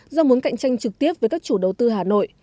do muốn cạnh tranh trực tiếp với các chủ đầu tư hà nội